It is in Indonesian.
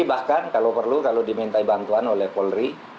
polisi tni bahkan kalau perlu kalau diminta bantuan oleh polri